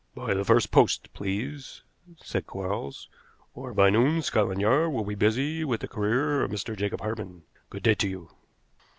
"By the first post, please," said Quarles, "or by noon Scotland Yard will be busy with the career of Mr. Jacob Hartmann. Good day to you."